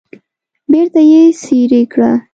بیرته یې څیرې کړه.